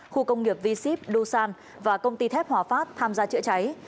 khu công nghiệp v sip đô san và công ty thép hòa pháp tham gia chữa cháy